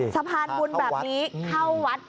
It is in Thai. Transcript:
สะพานบุญแบบนี้เข้าวัด